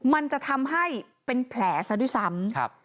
มันจะทำให้เป็นแผลซะด้วยซ้ำ